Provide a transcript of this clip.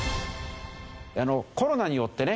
コロナによってね